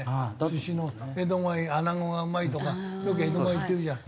寿司の江戸前アナゴがうまいとかよく江戸前っていうじゃん。